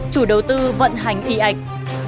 chủ đầu tư vận hành y ảnh